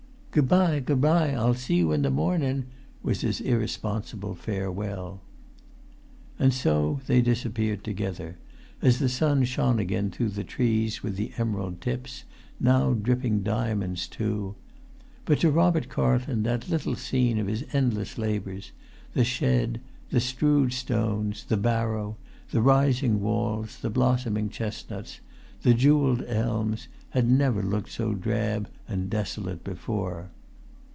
"Good bye, good bye, I'll see you in the mornin'!" was his irresponsible farewell. And so they disappeared together, as the sun shone again through the trees with the emerald tips, now dripping diamonds too; but to Robert Carlton that little scene of his endless labours, the shed, the[Pg 274] strewed stones, the barrow, the rising walls, the blossoming chestnuts, the jewelled elms, had never looked so drab and desolate before.